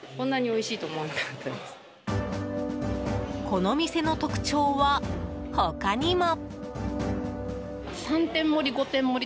この店の特徴は、他にも。